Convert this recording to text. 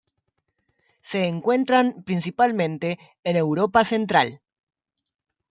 Se encuentran principalmente en Europa Central.